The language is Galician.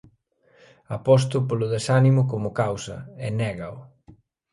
Aposto polo desánimo como causa e négao.